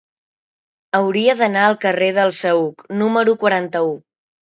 Hauria d'anar al carrer del Saüc número quaranta-u.